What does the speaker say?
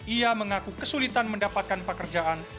ia mengaku kesulitan mendapatkan pekerjaan